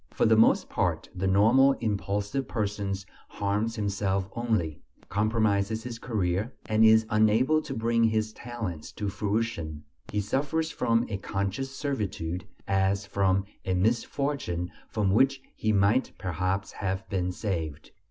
For the most part the normal impulsive person harms himself only, compromises his career, and is unable to bring his talents to fruition; he suffers from a conscious servitude, as from a misfortune from which he might perhaps have been saved.